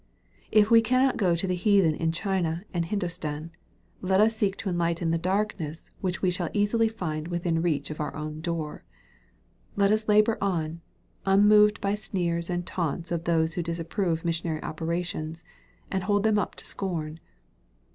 If we cannot go to the heathen in China and Hindostan. let us seek to enlighten the darkness which we shall easily find within reach of our own door. Let us labor on, unmoved by the sneers and taunts of those who dis approve missionary operations, and hold them up to scorn.